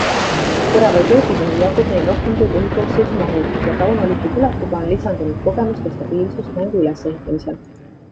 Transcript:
Teravaid löögimehi jagub neil rohkem kui põhikoosseisu mahub ja Tauno Lipu tulekuga on lisandunud kogemust ja stabiilsust mängu ülesehitamisel.